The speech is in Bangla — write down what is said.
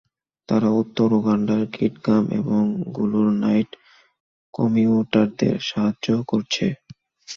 তারা উত্তর উগান্ডার কিটগাম এবং গুলুর নাইট কমিউটারদের সাহায্য করছে।